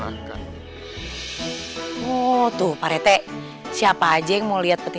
adanya cuma enak sama enak banget